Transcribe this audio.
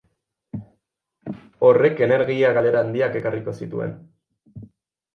Horrek energia galera handiak ekarriko zituen.